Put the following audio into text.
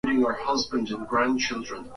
Mwokozi, nakujia.